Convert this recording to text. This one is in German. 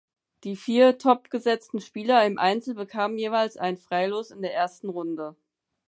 Die vier topgesetzten Spieler im Einzel bekamen jeweils ein Freilos in der ersten Runde.